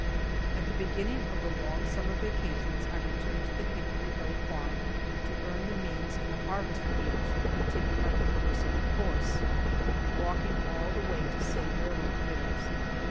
At the beginning of the long summer vacations I returned to the Hickory Hill farm to earn the means in the harvest fields to continue my University course, walking all the way to save railroad fares.